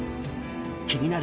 気になる